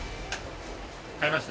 買えました？